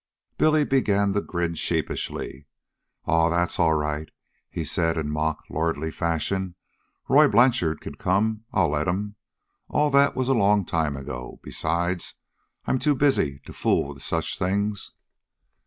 Billy began to grin sheepishly. "Aw, that's all right," he said in mock lordly fashion. "Roy Blanchard can come. I'll let 'm. All that was a long time ago. Besides, I 'm too busy to fool with such things."